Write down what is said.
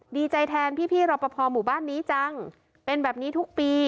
ดีใจแทนพี่รอปภหมู่บ้านนี้จังเป็นแบบนี้ทุกปี